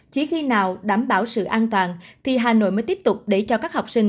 chỉ khi nào đảm bảo sự an toàn thì hà nội mới tiếp tục để cho các học sinh